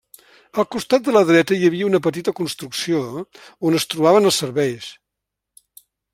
Al costat de la dreta hi havia una petita construcció on es trobaven els serveis.